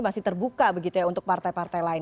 masih terbuka begitu ya untuk partai partai lain